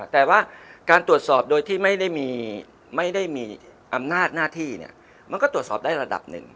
แต่ว่าการตรวจสอบโดยที่ไม่ได้มีอำนาจหน้าที่มันก็ตรวจสอบได้ระดับหนึ่ง